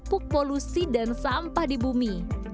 pupuk polusi dan sampah di bumi